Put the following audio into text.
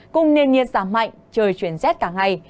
cùng nền nhiệt giảm mạnh trời chuyển rét cả ngày